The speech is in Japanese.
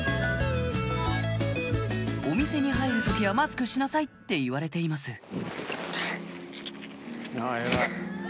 お店に入る時は「マスクしなさい」って言われています